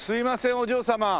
お嬢様。